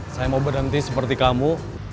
saya mau berhenti seperti kamu